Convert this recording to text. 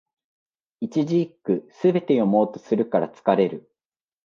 一字一句、すべて読もうとするから疲れる